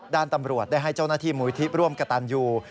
ด้านตำรวจได้ให้เจ้าหน้าที่มูลที่ร่วมกระตันยู